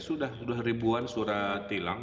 sudah ribuan surat tilang